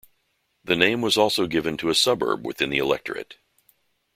The name was also given to a suburb within the electorate.